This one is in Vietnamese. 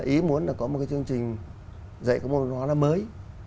ý muốn là có một cái chương trình dạy các môn văn hóa là mới